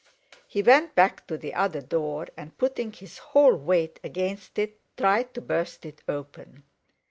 He went back to the other door, and putting his whole weight against it, tried to burst it open.